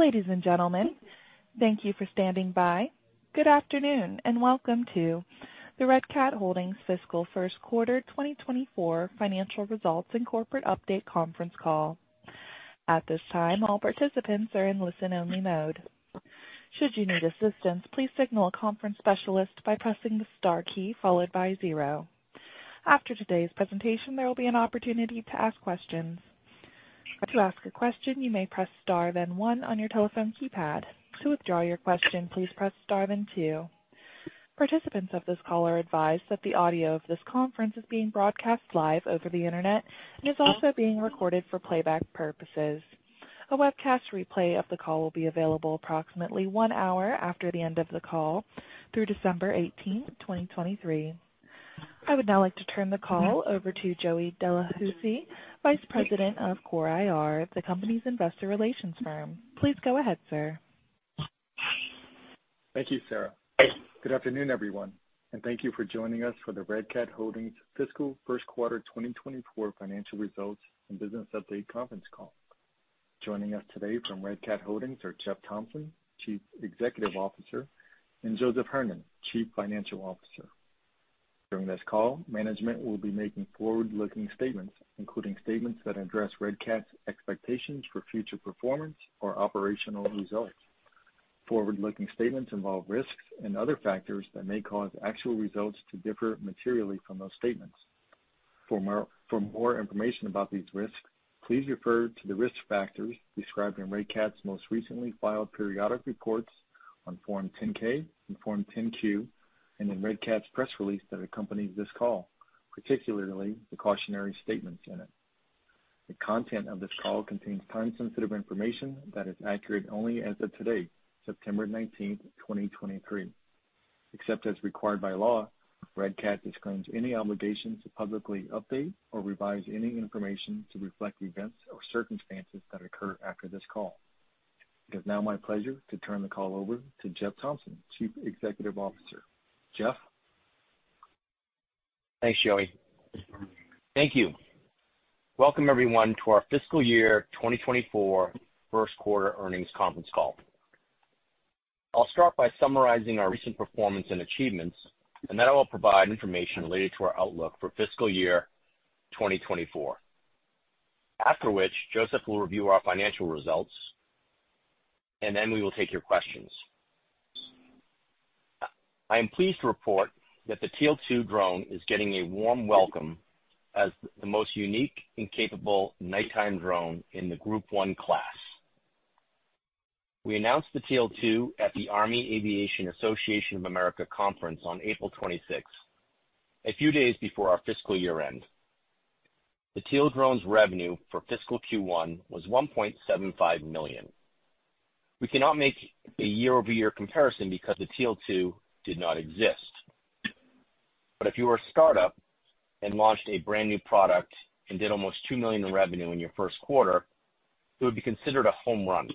Ladies and gentlemen, thank you for standing by. Good afternoon, and welcome to the Red Cat Holdings Fiscal First Quarter 2024 Financial Results and Corporate Update Conference Call. At this time, all participants are in listen-only mode. Should you need assistance, please signal a conference specialist by pressing the star key followed by zero. After today's presentation, there will be an opportunity to ask questions. To ask a question, you may press star, then one on your telephone keypad. To withdraw your question, please press star, then two. Participants of this call are advised that the audio of this conference is being broadcast live over the Internet and is also being recorded for playback purposes. A webcast replay of the call will be available approximately one hour after the end of the call through December 18th, 2023. I would now like to turn the call over to Joey Delahoussaye, Vice President of CORE IR, the company's investor relations firm. Please go ahead, sir. Thank you, Sarah. Good afternoon, everyone, and thank you for joining us for the Red Cat Holdings Fiscal First Quarter 2024 Financial Results and Business Update Conference Call. Joining us today from Red Cat Holdings are Jeff Thompson, Chief Executive Officer, and Joseph Hernon, Chief Financial Officer. During this call, management will be making forward-looking statements, including statements that address Red Cat's expectations for future performance or operational results. Forward-looking statements involve risks and other factors that may cause actual results to differ materially from those statements. For more, for more information about these risks, please refer to the risk factors described in Red Cat's most recently filed periodic reports on Form 10-K and Form 10-Q, and in Red Cat's press release that accompanies this call, particularly the cautionary statements in it. The content of this call contains time-sensitive information that is accurate only as of today, September 19th, 2023. Except as required by law, Red Cat disclaims any obligation to publicly update or revise any information to reflect events or circumstances that occur after this call. It is now my pleasure to turn the call over to Jeff Thompson, Chief Executive Officer. Jeff? Thanks, Joey. Thank you. Welcome, everyone, to our fiscal year 2024 first quarter earnings conference call. I'll start by summarizing our recent performance and achievements, and then I will provide information related to our outlook for fiscal year 2024. After which, Joseph will review our financial results, and then we will take your questions. I am pleased to report that the Teal 2 drone is getting a warm welcome as the most unique and capable nighttime drone in the Group 1 class. We announced the Teal 2 at the Army Aviation Association of America conference on April 26th, a few days before our fiscal year-end. The Teal drone's revenue for fiscal Q1 was $1.75 million. We cannot make a year-over-year comparison because the Teal 2 did not exist. If you were a start-up and launched a brand-new product and did almost $2 million in revenue in your first quarter, it would be considered a home run,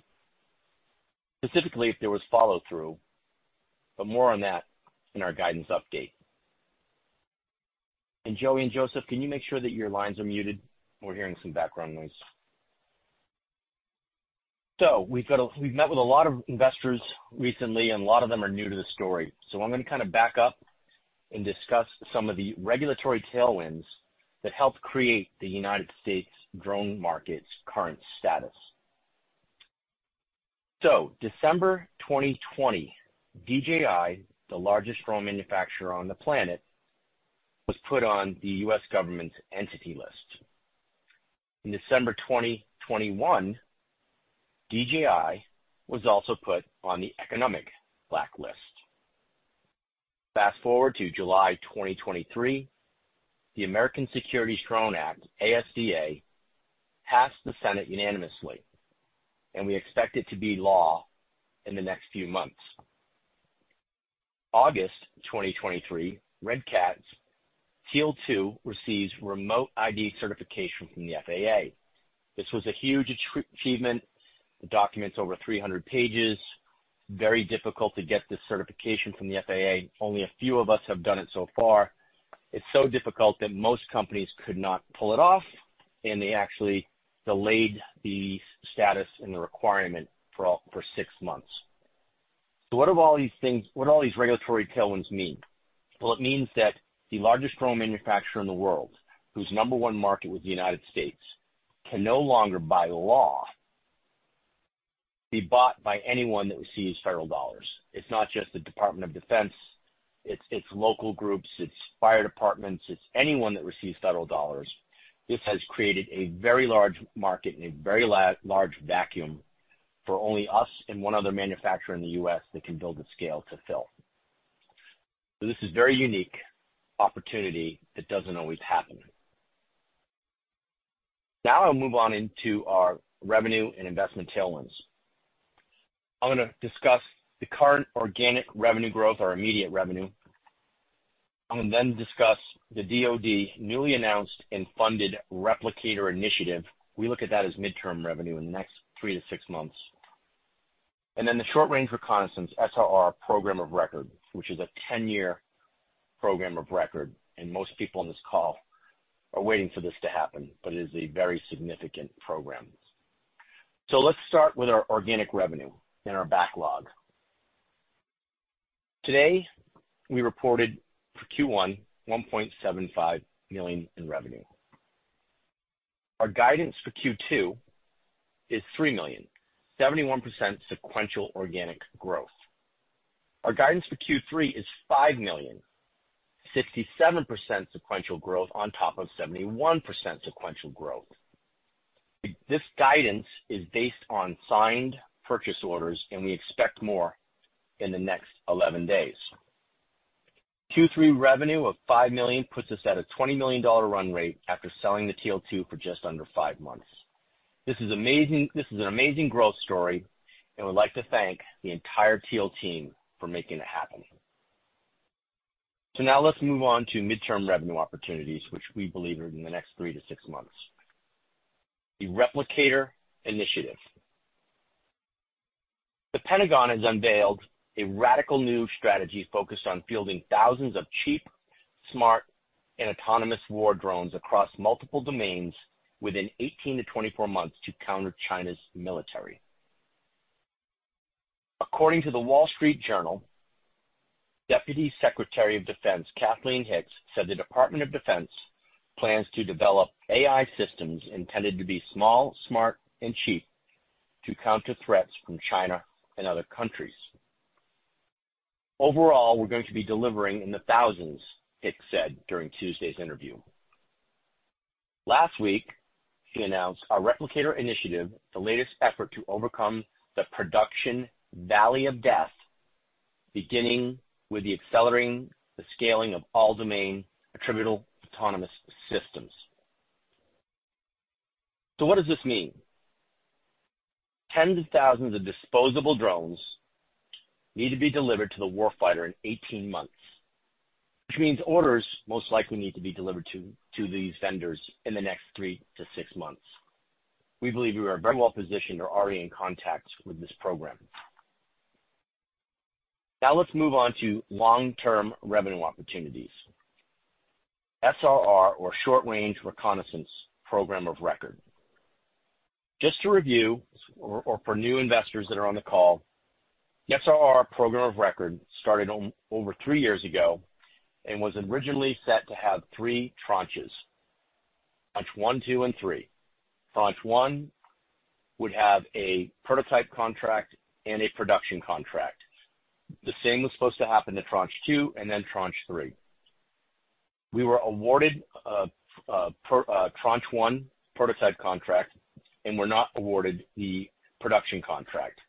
specifically if there was follow-through. More on that in our guidance update. Joey and Joseph, can you make sure that your lines are muted? We're hearing some background noise. We've met with a lot of investors recently, and a lot of them are new to the story. I'm going to kind of back up and discuss some of the regulatory tailwinds that helped create the United States drone market's current status. December 2020, DJI, the largest drone manufacturer on the planet, was put on the U.S. government's Entity List. In December 2021, DJI was also put on the economic blacklist. Fast forward to July 2023, the American Security Drone Act, ASDA, passed the Senate unanimously, and we expect it to be law in the next few months. August 2023, Red Cat's Teal 2 receives Remote ID certification from the FAA. This was a huge achievement. The document's over 300 pages. Very difficult to get this certification from the FAA. Only a few of us have done it so far. It's so difficult that most companies could not pull it off, and they actually delayed the status and the requirement for six months. What do all these things, what do all these regulatory tailwinds mean? Well, it means that the largest drone manufacturer in the world, whose number one market was the United States, can no longer, by law, be bought by anyone that receives federal dollars. It's not just the Department of Defense, it's, it's local groups, it's fire departments, it's anyone that receives federal dollars. This has created a very large market and a very large vacuum for only us and one other manufacturer in the U.S. that can build the scale to fill. So this is a very unique opportunity that doesn't always happen. Now I'll move on into our revenue and investment tailwinds. I'm going to discuss the current organic revenue growth or immediate revenue. I'm going to then discuss the DoD newly announced and funded Replicator Initiative. We look at that as midterm revenue in the next three to six months. And then the Short Range Reconnaissance, SRR, program of record, which is a 10-year program of record, and most people on this call are waiting for this to happen, but it is a very significant program. So let's start with our organic revenue and our backlog. Today, we reported for Q1, $1.75 million in revenue. Our guidance for Q2 is $3 million, 71% sequential organic growth. Our guidance for Q3 is $5 million, 67% sequential growth on top of 71% sequential growth. This guidance is based on signed purchase orders, and we expect more in the next 11 days. Q3 revenue of $5 million puts us at a $20 million run rate after selling the Teal 2 for just under five months. This is amazing. This is an amazing growth story, and we'd like to thank the entire Teal team for making it happen. So now let's move on to midterm revenue opportunities, which we believe are in the next three to six months. The Replicator Initiative. The Pentagon has unveiled a radical new strategy focused on fielding thousands of cheap, smart, and autonomous war drones across multiple domains within 18-24 months to counter China's military. According to The Wall Street Journal, Deputy Secretary of Defense Kathleen Hicks said the Department of Defense plans to develop AI systems intended to be small, smart, and cheap to counter threats from China and other countries. "Overall, we're going to be delivering in the thousands," Hicks said during Tuesday's interview. Last week, she announced a Replicator Initiative, the latest effort to overcome the production valley of death, beginning with the accelerating the scaling of all-domain attritable autonomous systems. What does this mean? Tens of thousands of disposable drones need to be delivered to the war fighter in 18 months, which means orders most likely need to be delivered to these vendors in the next three to six months. We believe we are very well positioned or already in contact with this program. Now let's move on to long-term revenue opportunities. SRR, or Short Range Reconnaissance program of record. Just to review, or for new investors that are on the call, the SRR program of record started over three years ago and was originally set to have three tranches, Tranche 1, 2, and 3. Tranche 1 would have a prototype contract and a production contract. The same was supposed to happen to Tranche 2 and then Tranche 3. We were awarded Tranche 1 prototype contract and were not awarded the production contract.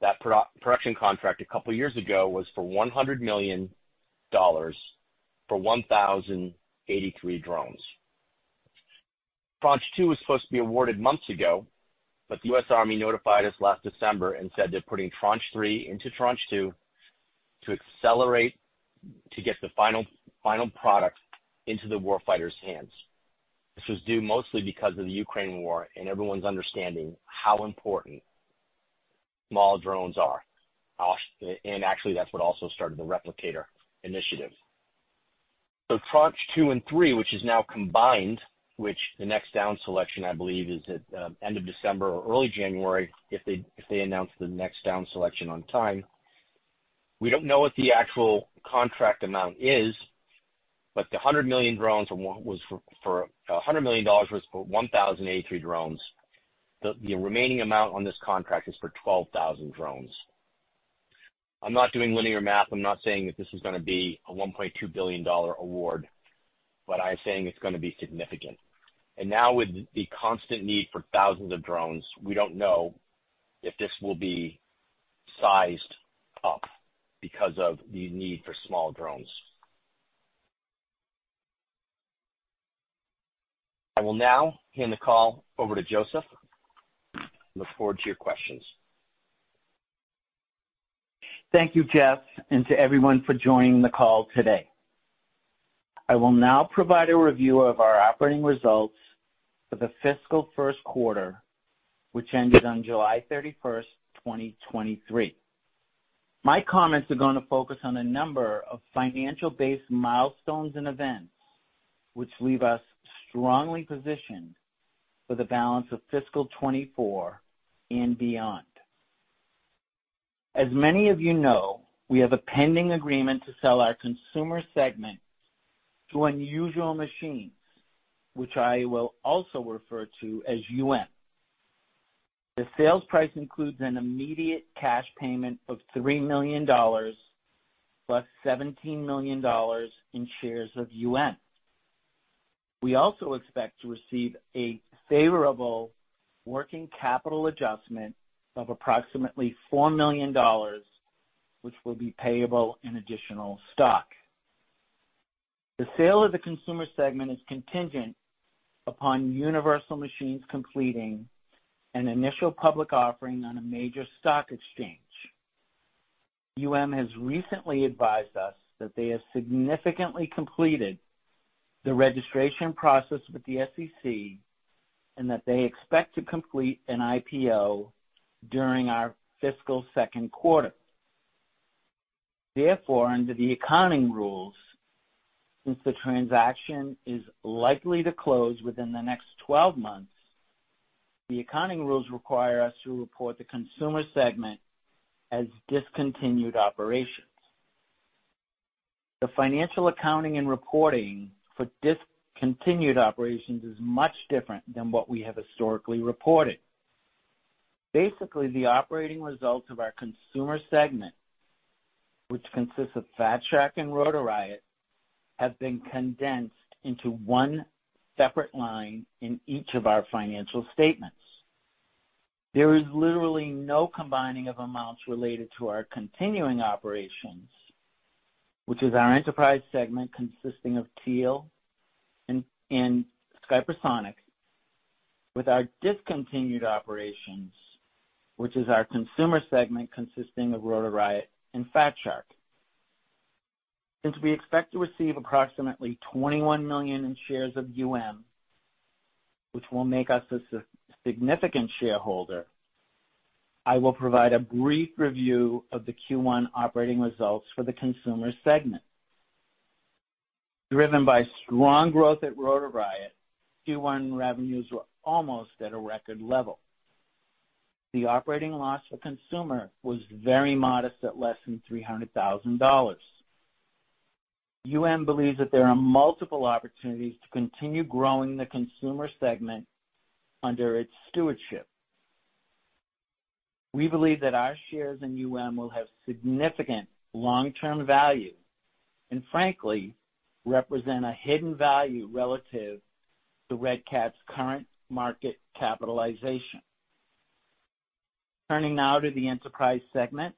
That production contract a couple of years ago was for $100 million for 1,083 drones. Tranche 2 was supposed to be awarded months ago, but the U.S. Army notified us last December and said they're putting Tranche 3 into Tranche 2 to accelerate, to get the final, final product into the war fighter's hands. This was due mostly because of the Ukraine war and everyone's understanding how important small drones are. And actually, that's what also started the Replicator Initiative. So Tranche 2 and 3, which is now combined, which the next down selection, I believe, is at end of December or early January, if they, if they announce the next down selection on time. We don't know what the actual contract amount is, but the $100 million was for 1,083 drones. The remaining amount on this contract is for 12,000 drones. I'm not doing linear math. I'm not saying that this is gonna be a $1.2 billion award, but I'm saying it's gonna be significant. Now, with the constant need for thousands of drones, we don't know if this will be sized up because of the need for small drones. I will now hand the call over to Joseph. Look forward to your questions. Thank you, Jeff, and to everyone for joining the call today. I will now provide a review of our operating results for the fiscal first quarter, which ended on July 31st, 2023. My comments are gonna focus on a number of financial-based milestones and events, which leave us strongly positioned for the balance of fiscal 2024 and beyond. As many of you know, we have a pending agreement to sell our consumer segment to Unusual Machines, which I will also refer to as UM. The sales price includes an immediate cash payment of $3 million + $17 million in shares of UM. We also expect to receive a favorable working capital adjustment of approximately $4 million, which will be payable in additional stock. The sale of the consumer segment is contingent upon Unusual Machines completing an initial public offering on a major stock exchange. UM has recently advised us that they have significantly completed the registration process with the SEC, and that they expect to complete an IPO during our fiscal second quarter. Therefore, under the accounting rules, since the transaction is likely to close within the next 12 months, the accounting rules require us to report the consumer segment as discontinued operations. The financial accounting and reporting for discontinued operations is much different than what we have historically reported. Basically, the operating results of our consumer segment, which consists of Fat Shark and Rotor Riot, have been condensed into one separate line in each of our financial statements. There is literally no combining of amounts related to our continuing operations, which is our enterprise segment, consisting of Teal and Skypersonic, with our discontinued operations, which is our consumer segment, consisting of Rotor Riot and Fat Shark. Since we expect to receive approximately 21 million shares of UM, which will make us a significant shareholder, I will provide a brief review of the Q1 operating results for the consumer segment. Driven by strong growth at Rotor Riot, Q1 revenues were almost at a record level. The operating loss for consumer was very modest, at less than $300,000. UM believes that there are multiple opportunities to continue growing the consumer segment under its stewardship. We believe that our shares in UM will have significant long-term value, and frankly, represent a hidden value relative to Red Cat's current market capitalization. Turning now to the enterprise segment.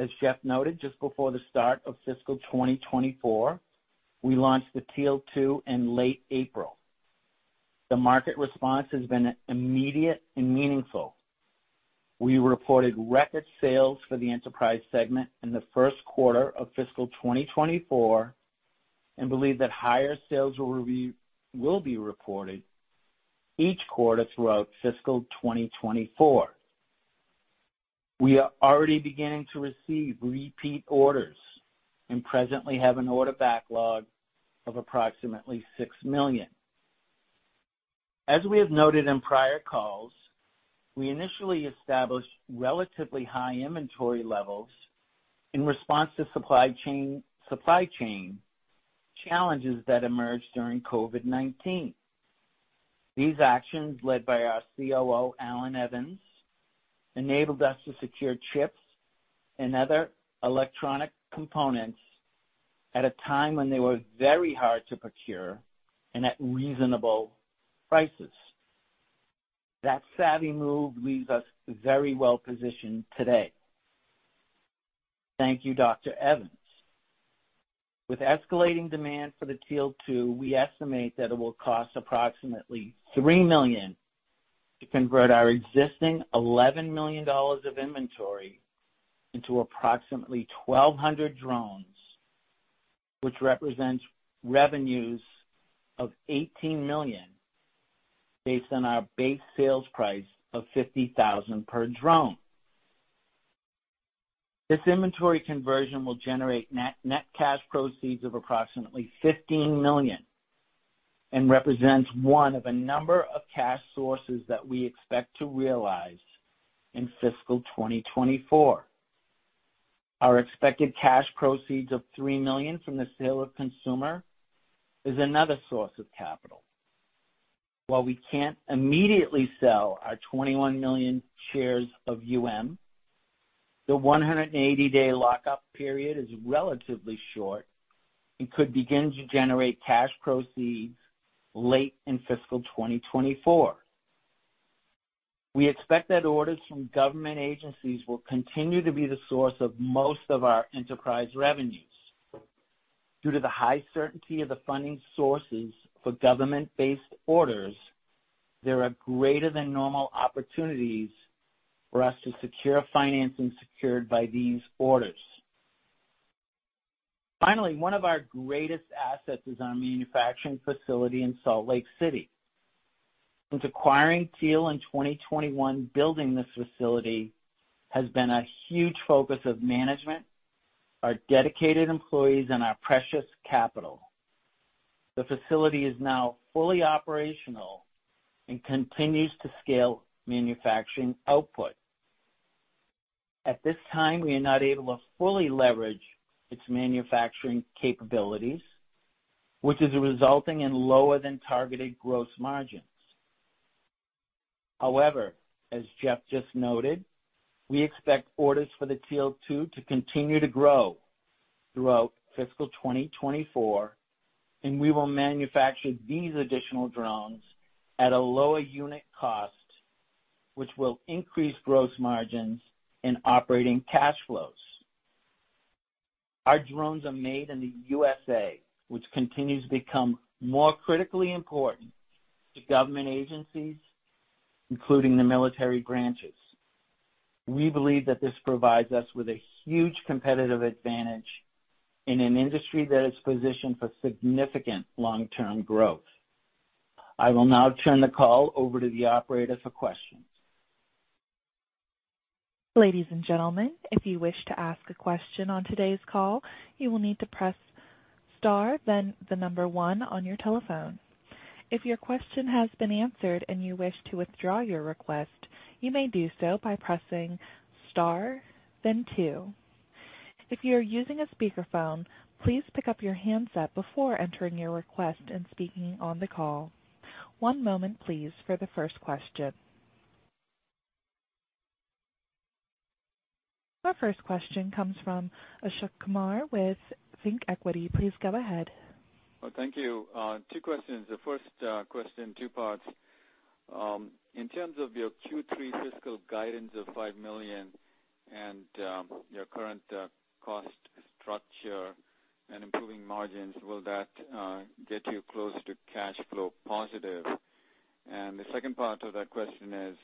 As Jeff noted, just before the start of fiscal 2024, we launched the Teal 2 in late April. The market response has been immediate and meaningful. We reported record sales for the enterprise segment in the first quarter of fiscal 2024, and believe that higher sales will be reported each quarter throughout fiscal 2024. We are already beginning to receive repeat orders and presently have an order backlog of approximately $6 million. As we have noted in prior calls, we initially established relatively high inventory levels in response to supply chain challenges that emerged during COVID-19. These actions, led by our COO, Allan Evans, enabled us to secure chips and other electronic components at a time when they were very hard to procure and at reasonable prices. That savvy move leaves us very well positioned today. Thank you, Dr. Evans. With escalating demand for the Teal 2, we estimate that it will cost approximately $3 million to convert our existing $11 million of inventory into approximately 1,200 drones, which represents revenues of $18 million, based on our base sales price of $50,000 per drone. This inventory conversion will generate net, net cash proceeds of approximately $15 million and represents one of a number of cash sources that we expect to realize in fiscal 2024. Our expected cash proceeds of $3 million from the sale of consumer is another source of capital. While we can't immediately sell our 21 million shares of UM, the 180-day lockup period is relatively short and could begin to generate cash proceeds late in fiscal 2024. We expect that orders from government agencies will continue to be the source of most of our enterprise revenues. Due to the high certainty of the funding sources for government-based orders, there are greater than normal opportunities for us to secure financing secured by these orders. Finally, one of our greatest assets is our manufacturing facility in Salt Lake City. Since acquiring Teal in 2021, building this facility has been a huge focus of management, our dedicated employees, and our precious capital. The facility is now fully operational and continues to scale manufacturing output. At this time, we are not able to fully leverage its manufacturing capabilities, which is resulting in lower than targeted gross margins. However, as Jeff just noted, we expect orders for the Teal 2 to continue to grow throughout fiscal 2024, and we will manufacture these additional drones at a lower unit cost, which will increase gross margins and operating cash flows. Our drones are made in the USA, which continues to become more critically important to government agencies, including the military branches. We believe that this provides us with a huge competitive advantage in an industry that is positioned for significant long-term growth. I will now turn the call over to the operator for questions. Ladies and gentlemen, if you wish to ask a question on today's call, you will need to press star, then the number one on your telephone. If your question has been answered and you wish to withdraw your request, you may do so by pressing star, then two. If you are using a speakerphone, please pick up your handset before entering your request and speaking on the call. One moment please for the first question. Our first question comes from Ashok Kumar with ThinkEquity. Please go ahead. Well, thank you. Two questions. The first question, two parts. In terms of your Q3 fiscal guidance of $5 million and your current cost structure and improving margins, will that get you closer to cash flow positive? The second part of that question is,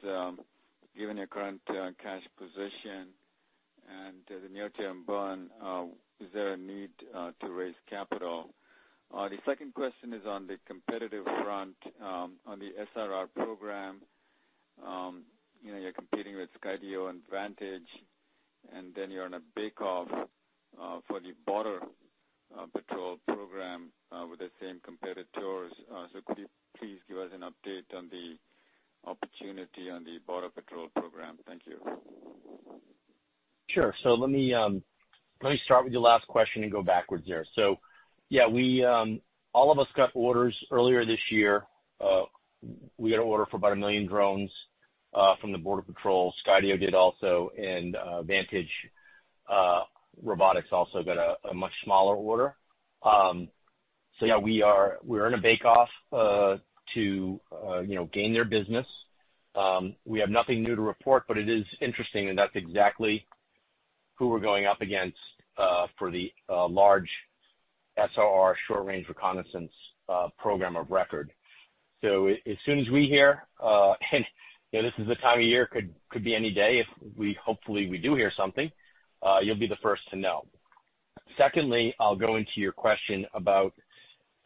given your current cash position and the near-term bond, is there a need to raise capital? The second question is on the competitive front, on the SRR program. You know, you're competing with Skydio and Vantage, and then you're in a bake-off for the Border Patrol program with the same competitors. Could you please give us an update on the opportunity on the Border Patrol program? Thank you. Sure. So let me let me start with your last question and go backwards there. So yeah, we all of us got orders earlier this year. We got an order for about 1 million drones from the Border Patrol. Skydio did also, and Vantage Robotics also got a much smaller order. So yeah, we are, we're in a bake-off to you know, gain their business. We have nothing new to report, but it is interesting, and that's exactly who we're going up against for the large SRR, Short-Range Reconnaissance program of record. So as soon as we hear, and you know, this is the time of year, could be any day if we hopefully, we do hear something, you'll be the first to know. Secondly, I'll go into your question about,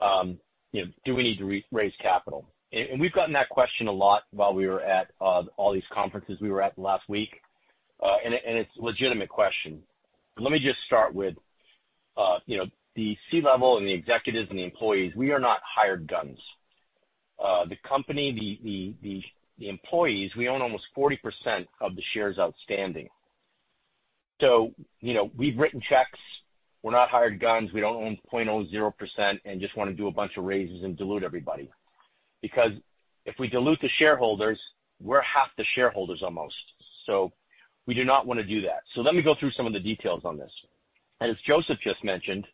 you know, do we need to re-raise capital? And we've gotten that question a lot while we were at all these conferences we were at last week. And it's a legitimate question. Let me just start with, you know, the C-level and the executives and the employees, we are not hired guns. The company, the employees, we own almost 40% of the shares outstanding. So, you know, we've written checks. We're not hired guns. We don't own 0.0% and just wanna do a bunch of raises and dilute everybody. Because if we dilute the shareholders, we're half the shareholders almost, so we do not wanna do that. So let me go through some of the details on this. As Joseph just mentioned,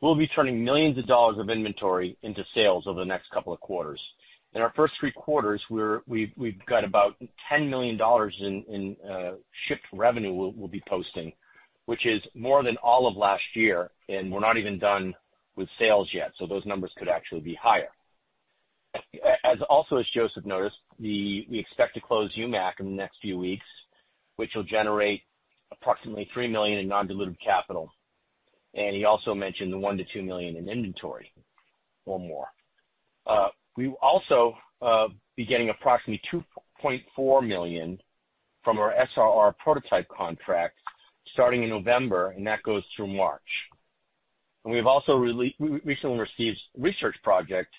we'll be turning millions of dollars of inventory into sales over the next couple of quarters. In our first three quarters, we've got about $10 million in shipped revenue we'll be posting, which is more than all of last year, and we're not even done with sales yet, so those numbers could actually be higher. As Joseph also noticed, we expect to close UMAC in the next few weeks, which will generate approximately $3 million in non-dilutive capital, and he also mentioned the $1 million-$2 million in inventory or more. We'll also be getting approximately $2.4 million from our SRR prototype contract starting in November, and that goes through March. And we've also recently received research project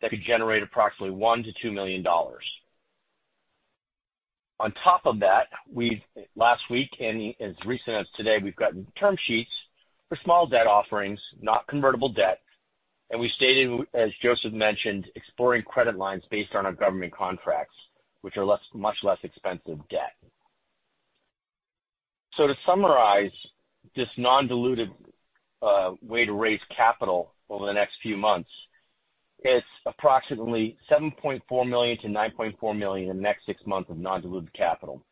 that could generate approximately $1 million-$2 million. On top of that, we've last week, and as recent as today, we've gotten term sheets for small debt offerings, not convertible debt. And we stated, as Joseph mentioned, exploring credit lines based on our government contracts, which are less, much less expensive debt. So to summarize, this non-dilutive way to raise capital over the next few months, it's approximately $7.4 million-$9.4 million in the next six months of non-dilutive capital.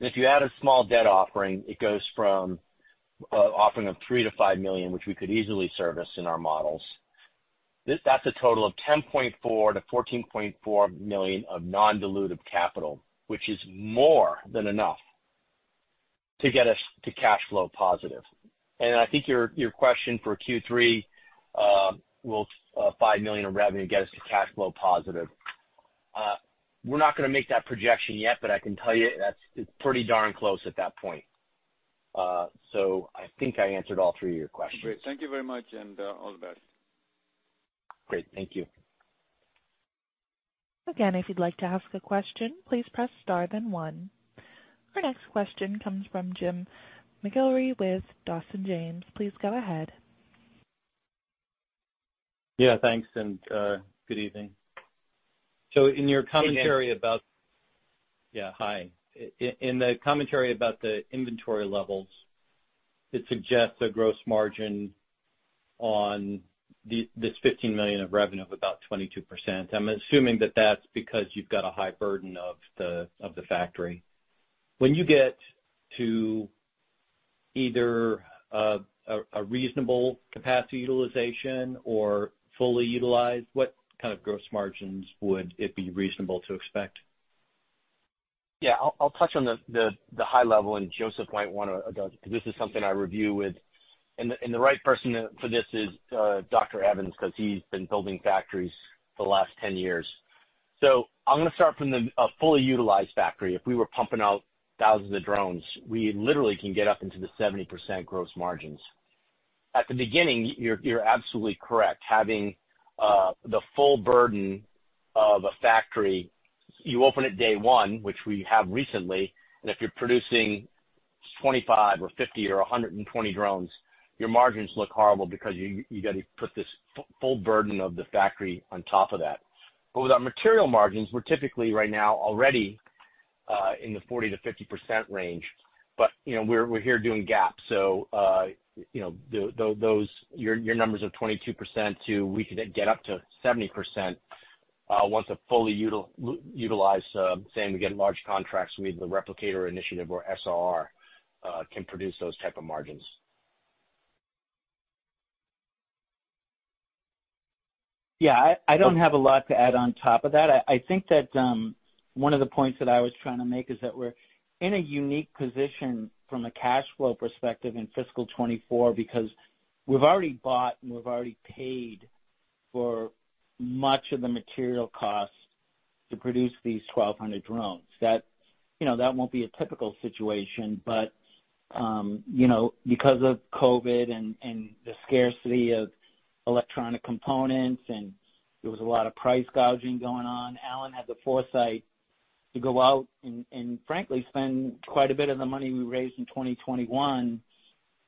And if you add a small debt offering, it goes from offering of $3 million-$5 million, which we could easily service in our models. That's a total of $10.4 million-$14.4 million of non-dilutive capital, which is more than enough to get us to cash flow positive. And I think your question for Q3, will $5 million in revenue get us to cash flow positive? We're not gonna make that projection yet, but I can tell you that it's pretty darn close at that point. So I think I answered all three of your questions. Great. Thank you very much, and, all the best. Great. Thank you. Again, if you'd like to ask a question, please press star, then one. Our next question comes from Jim McIlree with Dawson James. Please go ahead. Yeah, thanks, and, good evening. So in your commentary about— Hey, Jim. Yeah, hi. In the commentary about the inventory levels, it suggests a gross margin on this $15 million of revenue of about 22%. I'm assuming that that's because you've got a high burden of the factory. When you get to either a reasonable capacity utilization or fully utilized, what kind of gross margins would it be reasonable to expect? Yeah, I'll touch on the high level, and Joseph might want to address, because this is something I review with, and the right person for this is Dr. Evans, because he's been building factories for the last 10 years. So I'm gonna start from a fully utilized factory. If we were pumping out thousands of drones, we literally can get up into the 70% gross margins. At the beginning, you're absolutely correct. Having the full burden of a factory, you open it day one, which we have recently, and if you're producing 25 or 50 or 120 drones, your margins look horrible because you got to put this full burden of the factory on top of that. But with our material margins, we're typically right now already in the 40%-50% range. You know, we're here doing GAAP. So, those, your numbers of 22% to, we could get up to 70% once fully utilized, saying we get large contracts, we, the Replicator Initiative or SRR, can produce those type of margins. Yeah, I don't have a lot to add on top of that. I think that one of the points that I was trying to make is that we're in a unique position from a cash flow perspective in fiscal 2024, because we've already bought and we've already paid for much of the material costs to produce these 1,200 drones. That, you know, that won't be a typical situation, but you know, because of COVID and the scarcity of electronic components, and there was a lot of price gouging going on, Allan had the foresight to go out and frankly, spend quite a bit of the money we raised in 2021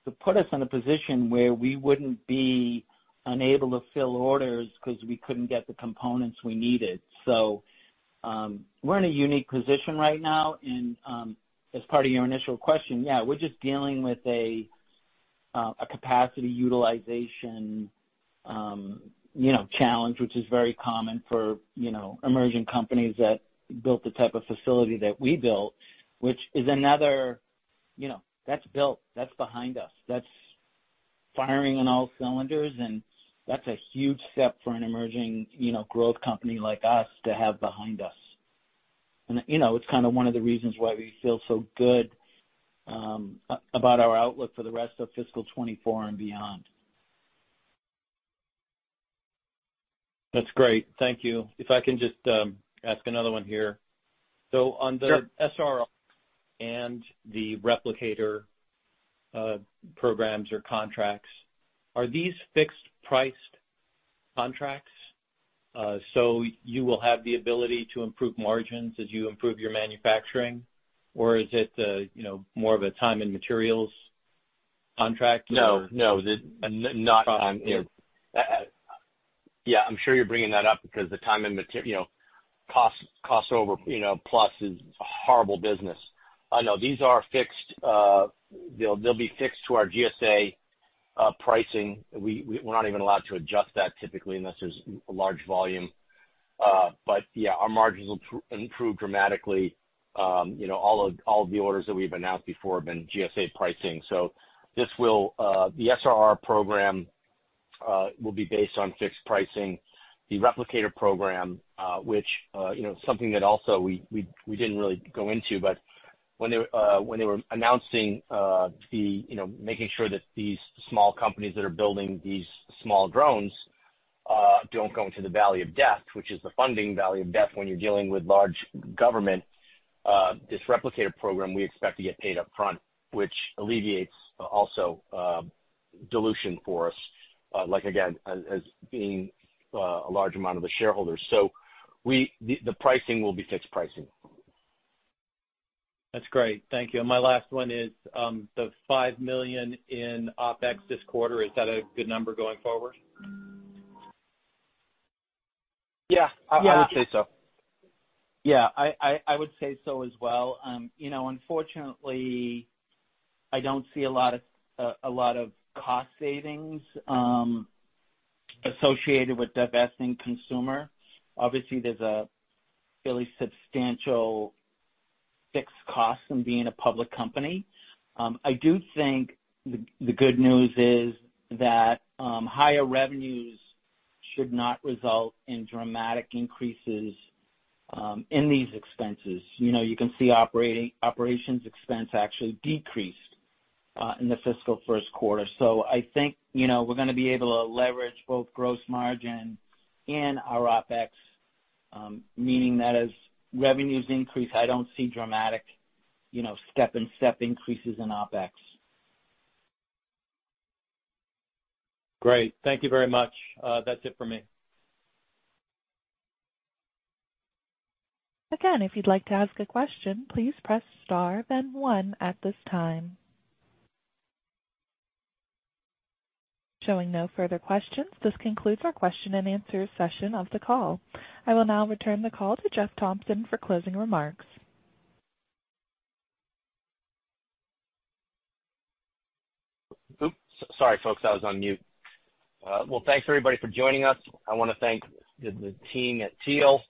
to put us in a position where we wouldn't be unable to fill orders because we couldn't get the components we needed. So, we're in a unique position right now. As part of your initial question, yeah, we're just dealing with a capacity utilization, you know, challenge, which is very common for, you know, emerging companies that built the type of facility that we built, which is another, you know, that's built, that's behind us. That's firing on all cylinders, and that's a huge step for an emerging, you know, growth company like us to have behind us. You know, it's kind of one of the reasons why we feel so good about our outlook for the rest of fiscal 2024 and beyond. That's great. Thank you. If I can just, ask another one here. Sure. So on the SRR and the Replicator programs or contracts, are these fixed-price contracts? So you will have the ability to improve margins as you improve your manufacturing, or is it, you know, more of a time-and-materials contract? No, no, not, you know... yeah, I'm sure you're bringing that up because the time and material, you know, cost, cost over, you know, plus is a horrible business. No, these are fixed. They'll be fixed to our GSA pricing. We're not even allowed to adjust that typically, unless there's large volume. Yeah, our margins will improve dramatically. You know, all of the orders that we've announced before have been GSA pricing. This will, the SRR program, will be based on fixed pricing. The Replicator program, which, you know, something that also we didn't really go into, but when they were announcing, you know, making sure that these small companies that are building these small drones don't go into the valley of death, which is the funding valley of death when you're dealing with large government. This Replicator program, we expect to get paid upfront, which alleviates also dilution for us, like, again, as being a large amount of the shareholders. So, the pricing will be fixed pricing. That's great. Thank you. And my last one is the $5 million in OpEx this quarter, is that a good number going forward? Yeah. Yeah. I would say so. Yeah, I would say so as well. You know, unfortunately, I don't see a lot of, a lot of cost savings, associated with divesting consumer. Obviously, there's a really substantial fixed cost in being a public company. I do think the good news is that, higher revenues should not result in dramatic increases, in these expenses. You know, you can see operating, operations expense actually decreased, in the fiscal first quarter. So I think, you know, we're gonna be able to leverage both gross margin and our OpEx, meaning that as revenues increase, I don't see dramatic, you know, step and step increases in OpEx. Great. Thank you very much. That's it for me. Again, if you'd like to ask a question, please press star then one at this time. Showing no further questions, this concludes our question-and-answer session of the call. I will now return the call to Jeff Thompson for closing remarks. Oops! Sorry, folks, I was on mute. Well, thanks, everybody, for joining us. I want to thank the, the team at Teal.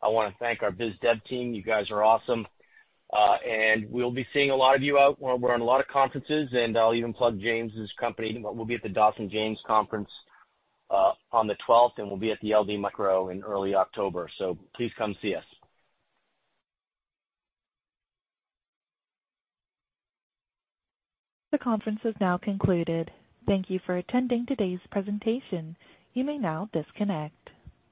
I want to thank our BizDev team. You guys are awesome. And we'll be seeing a lot of you out. We're in a lot of conferences, and I'll even plug James's company. We'll be at the Dawson James conference on the 12th, and we'll be at the LD Micro in early October, so please come see us. The conference is now concluded. Thank you for attending today's presentation. You may now disconnect.